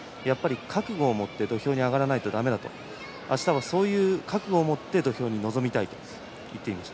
覚悟を持って土俵に上がらないとだめだと明日はそういう覚悟を持って土俵に臨みたいと話しています。